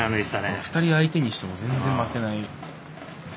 ２人相手にしても全然負けない。